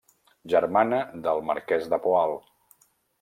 Germana del marquès de Poal.